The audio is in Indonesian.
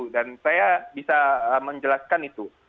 dan saya bisa menjelaskan itu